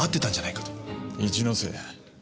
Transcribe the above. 一ノ瀬。